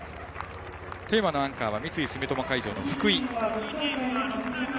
富山のアンカーは三井住友海上の福居。